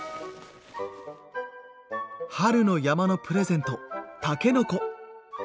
春の山のプレゼントたけのこ。